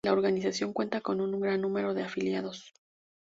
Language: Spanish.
La organización cuenta con un gran número de afiliados.